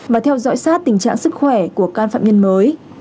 và theo dõi sát tình trạng sức khỏe của can phạm nhân mới